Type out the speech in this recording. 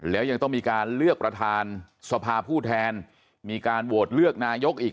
แล้วยังต้องมีการเลือกประธานสภาผู้แทนมีการโหวตเลือกนายกอีก